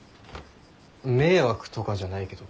迷惑とかじゃないけど。